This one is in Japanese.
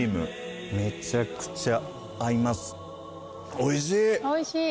おいしい！